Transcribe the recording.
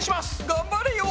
頑張れよ！